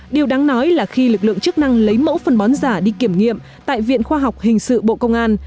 điều đáng nói là khi lực lượng chức năng lấy mẫu phân bón giả đi kiểm nghiệm tại viện khoa học hình sự bộ công an